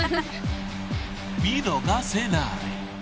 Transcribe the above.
［見逃せない］